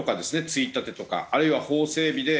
ついたてとかあるいは法整備で。